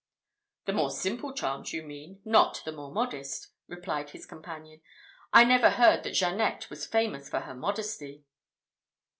"The more simple charms, you mean, not the more modest," replied his companion; "I never heard that Jeannette was famous for her modesty!"